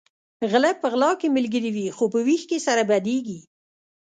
غلۀ په غلا کې ملګري وي خو په وېش کې سره بدیږي